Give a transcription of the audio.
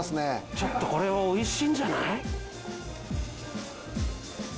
ちょっとこれは美味しいんじゃない？